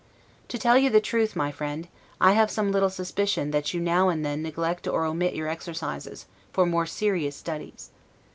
To tell you the truth, my friend, I have some little suspicion that you now and then neglect or omit your exercises, for more serious studies.